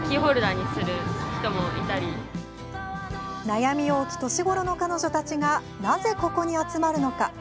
悩み多き年頃の彼女たちがなぜここに集まるのか？